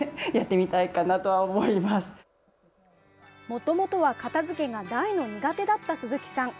もともとは片づけが大の苦手だった鈴木さん。